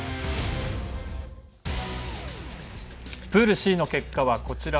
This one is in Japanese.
プールＣの結果はこちら。